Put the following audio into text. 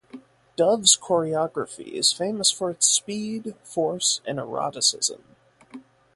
Dove's choreography is famous for its speed, force and eroticism.